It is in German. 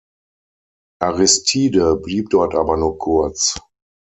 Aristide blieb dort aber nur kurz.